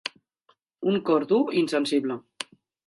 Un cor dur i insensible.